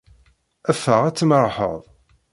Ffeɣ ad tmerrḥeḍ!